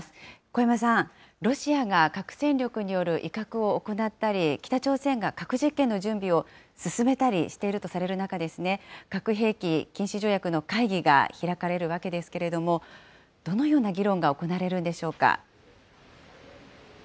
古山さん、ロシアが核戦力による威嚇を行ったり、北朝鮮が核実験の準備を進めたりしているとされる中、核兵器禁止条約の会議が開かれるわけですけれども、どのような議論が行われるんでしょうか。